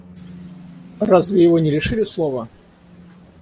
Разве его не лишили слова?